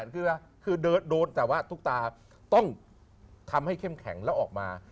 คือโดนแต่ว่าตุ๊กตาต้องทำให้เข้มแข็งแล้วออกมา